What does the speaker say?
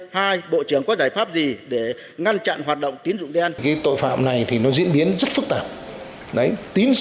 hai bộ trưởng có giải pháp gì để ngăn chặn hoạt động tín dụng đen